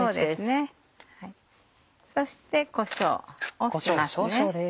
そしてこしょうをします。